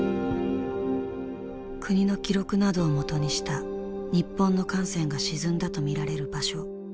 国の記録などをもとにした日本の艦船が沈んだと見られる場所。